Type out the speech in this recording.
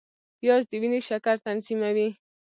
پیاز د وینې شکر تنظیموي